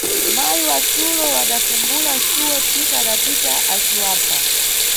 Mayi wasulo wadafungula suwo, thika adapita aciwapha.